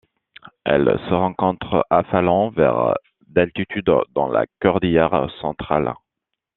Elle se rencontre à Falan vers d'altitude dans la cordillère Centrale.